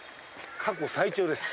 過去最長です。